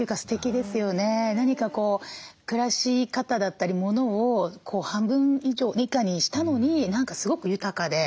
何か暮らし方だったり物を半分以下にしたのに何かすごく豊かで。